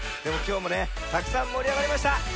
でもきょうもねたくさんもりあがりました。